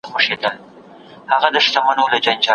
د هر نعمت شکر وباسئ.